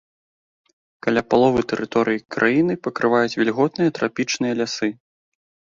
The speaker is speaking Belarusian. Каля паловы тэрыторыі краіны пакрываюць вільготныя трапічныя лясы.